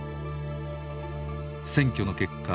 選挙の結果